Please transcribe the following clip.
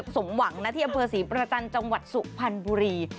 สมหวังนะที่อำเภอศรีประจันทร์จังหวัดสุพรรณบุรี